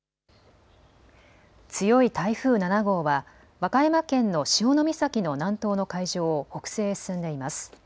強い台風７号は、和歌山県の潮岬の南東の海上を北西へ進んでいます。